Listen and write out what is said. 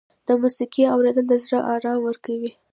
د موسیقۍ اورېدل د زړه آرام ورکوي.